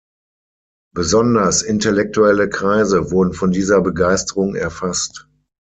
Besonders intellektuelle Kreise wurden von dieser Begeisterung erfasst.